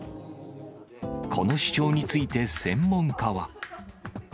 この主張について、専門家は。